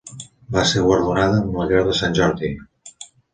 Va ser guardonada amb la Creu de Sant Jordi.